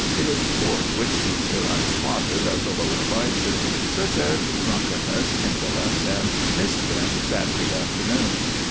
It is sport which keeps her unspotted of the lower vices, such as drunkenness, indolence, and misspent Saturday afternoons.